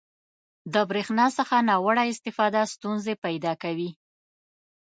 • د برېښنا څخه ناوړه استفاده ستونزې پیدا کوي.